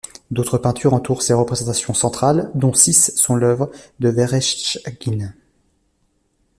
D'autres peintures entourent ces représentations centrales, dont six sont l'œuvre de Verechtchaguine.